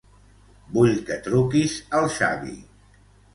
Vull que truquis al Xavi.